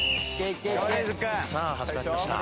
さあ始まりました。